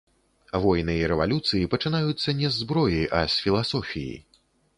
Войны і рэвалюцыі пачынаюцца не з зброі, а з філасофіі.